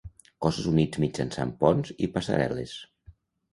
Cossos units mitjançant ponts i passarel·les.